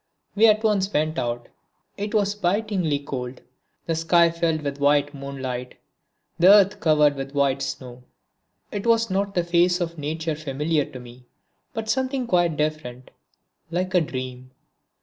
We at once went out. It was bitingly cold, the sky filled with white moonlight, the earth covered with white snow. It was not the face of Nature familiar to me, but something quite different like a dream.